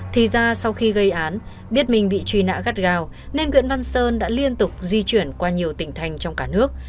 thì ra sau khi gây án biết mình bị truy nã gắt gào nên nguyễn văn sơn đã liên tục di chuyển qua nhiều tỉnh thành trong cả nước